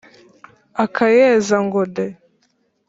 akayeza ngo de !